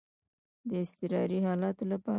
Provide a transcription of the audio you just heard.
د اضطراري حالاتو لپاره.